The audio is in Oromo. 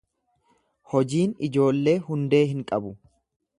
hojiin ijoollee hundee hin qabu.